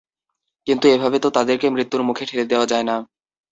কিন্ত এভাবে তো তাদেরকে মৃত্যুর মুখে ঠেলে দেওয়া যায় না।